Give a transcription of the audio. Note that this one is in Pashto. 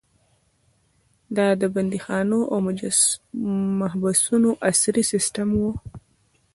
دا د بندیخانو او محبسونو عصري سیستم و.